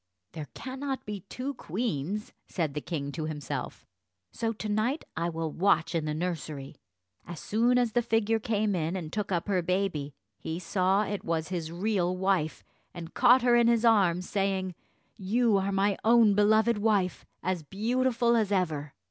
"There cannot be two queens," said the king to himself, "so to night I will watch in the nursery." As soon as the figure came in and took up her baby, he saw it was his real wife, and caught her in his arms, saying, "You are my own beloved wife, as beautiful as ever."